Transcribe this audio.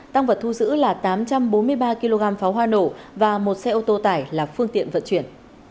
tăng vật thu giữ là tám trăm bốn mươi ba kg pháo hoa nổ và một xe ô tô tải là phương tiện vận chuyển